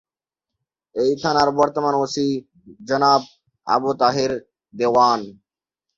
এই থানার বর্তমান ওসি জনাব আবু তাহের দেওয়ান।